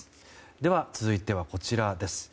では続いてはこちらです。